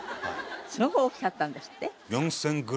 すごく大きかったんですって？